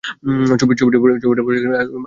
ছবিটি পরিচালনা করেছিলেন আব্দুল মজিদ।